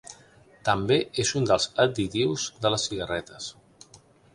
També és un dels additius de les cigarretes.